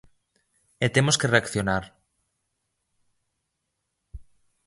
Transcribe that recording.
E temos que reaccionar.